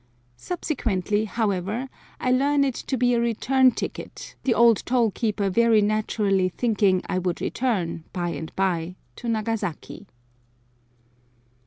Subsequently, however, I learn it to be a return ticket, the old toll keeper very naturally thinking I would return, by and by, to Nagasaki.